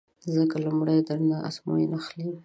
ځکه لومړی در نه ازموینه اخلي